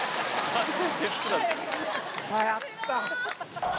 やった！